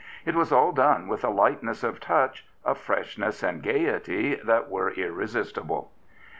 It was all done with a lightness of touch, a freshness and gaiety that were irresistible.